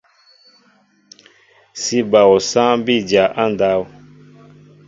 Sí bal osááŋ bí dya á ndáw.